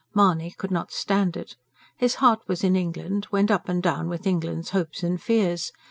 Mahony could not stand it. His heart was in England, went up and down with England's hopes and fears.